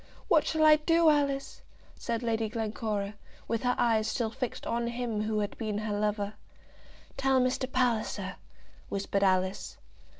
"What shall I do, Alice?" said Lady Glencora, with her eyes still fixed on him who had been her lover. "Tell Mr. Palliser," whispered Alice.